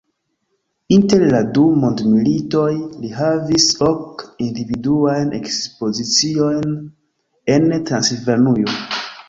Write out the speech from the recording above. Inter la du mondmilitoj li havis ok individuajn ekspoziciojn en Transilvanujo.